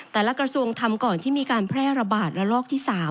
กระทรวงทำก่อนที่มีการแพร่ระบาดระลอกที่๓